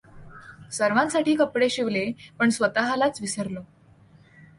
सर्वासाठी कपडे शिवले, पण स्वतःलाच विसरलो.